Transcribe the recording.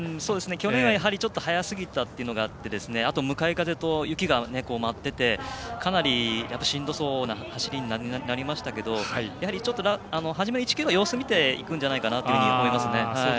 去年はやはり速すぎたというのがあってあと、向かい風と雪が舞っていてかなりしんどそうな走りになりましたがやはり初め１ｋｍ様子を見ていくんじゃないかなと思います。